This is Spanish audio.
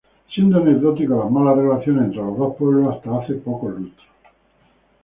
Siendo anecdótico las malas relaciones entre los dos pueblos hasta hace pocos lustros.